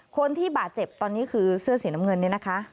คนที่บาดเจ็บตอนนี้คือเสื้อสีน้ำเงินเนี่ยนะคะ